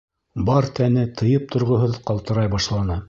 Бар тәне тыйып торғоһоҙ ҡалтырай башланы.